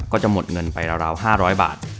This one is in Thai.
ก็จะหมดเงินไปราว๕๐๐บาท